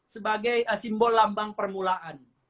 sebagai simbol lambang permulaan